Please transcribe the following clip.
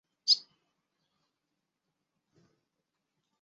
阿斯屈厄人口变化图示